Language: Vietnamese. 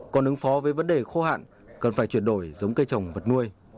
còn ứng phó với vấn đề khô hạn cần phải chuyển đổi giống cây trồng vật nuôi